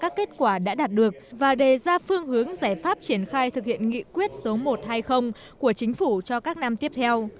các kết quả đã đạt được và đề ra phương hướng giải pháp triển khai thực hiện nghị quyết số một trăm hai mươi của chính phủ cho các năm tiếp theo